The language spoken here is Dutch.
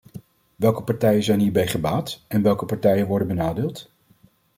Welke partijen zijn hierbij gebaat en welke partijen worden benadeeld?